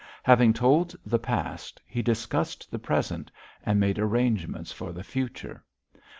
Having told the past, he discussed the present, and made arrangements for the future.